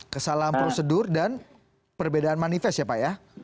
kesalahan prosedur dan perbedaan manifest ya pak ya